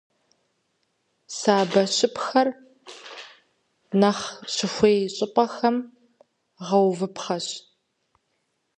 Сабэщыпхэр нэхъ щыхуей щӀыпӀэхэм гъэувыпхъэщ.